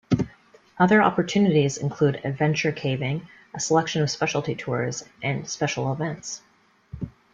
Other opportunities include adventure caving, a selection of specialty tours and special events.